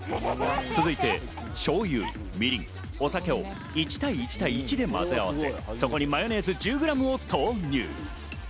続いて醤油、みりん、お酒を１：１：１で混ぜ合わせ、そこにマヨネーズ１０グラムを投入。